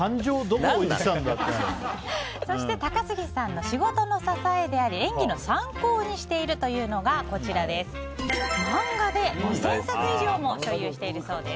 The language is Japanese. そして高杉さんの仕事の支えであり演技の参考にしているというのが漫画で、２０００冊以上も所有してるそうです。